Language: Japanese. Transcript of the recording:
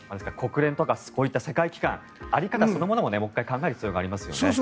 国連とかこういった世界機関の在り方そのものももう１回考える必要がありますよね。